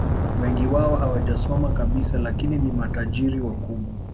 Wengi wao hawajasoma kabisa lakini ni matajiri wakubwa